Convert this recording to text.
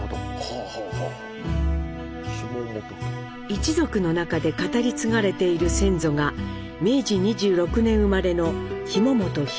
一族の中で語り継がれている先祖が明治２６年生まれの紐本弘。